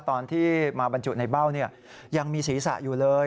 ตอนที่มาบรรจุในเบ้ายังมีศีรษะอยู่เลย